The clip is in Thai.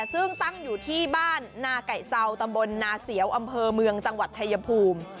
ซึ่งตั้งอยู่ที่บ้านนาไก่เซาตำบลนาเสียวอำเภอเมืองจังหวัดชายภูมิ